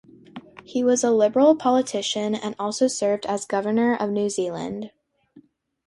He was a Liberal politician and also served as Governor of New Zealand.